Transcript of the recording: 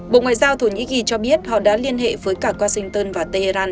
bộ ngoại giao thổ nhĩ kỳ cho biết họ đã liên hệ với cả washington và tehran